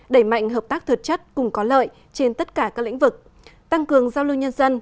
đẩy mạnh hợp tác thực chất cùng có lợi trên tất cả các lĩnh vực tăng cường giao lưu nhân dân